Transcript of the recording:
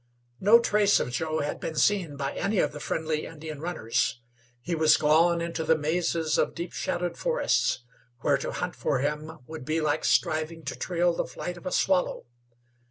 No trace of Joe had been seen by any of the friendly Indian runners. He was gone into the mazes of deep shadowed forests, where to hunt for him would be like striving to trail the flight of a swallow.